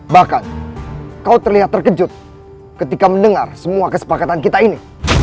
bahkan kau terlihat terkejut ketika mendengar semua kesepakatan kita ini